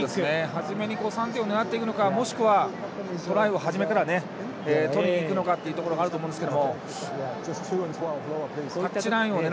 初めに３点を狙っていくかトライを初めから取りにいくのかというのがあると思うんですが。